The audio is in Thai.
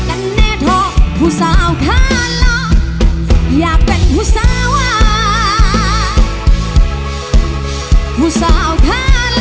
ฝากเป็นกำลังใจให้ลำไยด้วยนะคะ